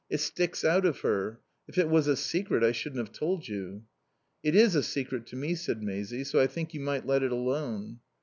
It sticks out of her. If it was a secret I shouldn't have told you." "It is a secret to me," said Maisie, "so I think you might let it alone."